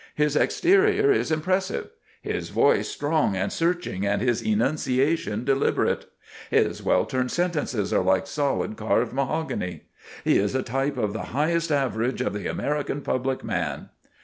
"His exterior is impressive." "His voice strong and searching and his enunciation deliberate." "His well turned sentences are like solid carved mahogany." "He is a type of the highest average of the American public man."